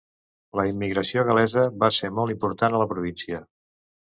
La immigració gal·lesa va ser molt important a la província.